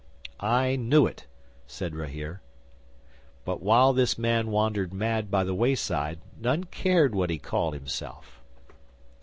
'"I knew it," said Rahere. "But while this man wandered mad by the wayside, none cared what he called himself."